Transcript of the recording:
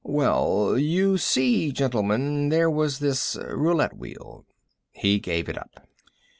"Well, you see, gentlemen, there was this roulette wheel " He gave it up.